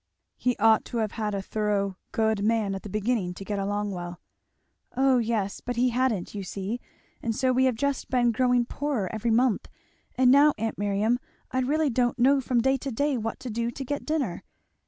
"He ought to have had a thorough good man at the beginning, to get along well." "O yes! but he hadn't, you see; and so we have just been growing poorer every month. And now, aunt Miriam, I really don't know from day to day what to do to get dinner.